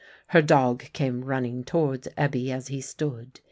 Her dog came running towards Ebbe as he stood.